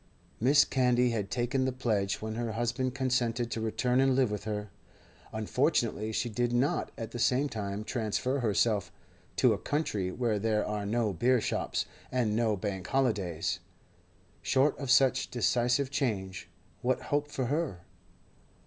Mrs. Candy had taken the pledge when her husband consented to return and live with her. Unfortunately she did not at the same time transfer herself to a country where there are no beer shops and no Bank holidays. Short of such decisive change, what hope for her?